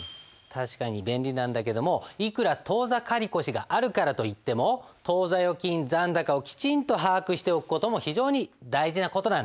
確かに便利なんだけどもいくら当座借越があるからといっても当座預金残高をきちんと把握しておく事も非常に大事な事なんです。